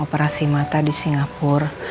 operasi mata di singapura